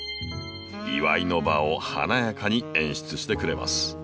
祝いの場を華やかに演出してくれます。